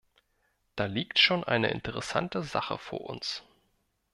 Da liegt schon eine interessante Sache vor uns.